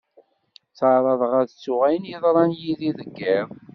Tteɛraḍeɣ ad ttuɣ ayen i yeḍran yid-i deg yiḍ.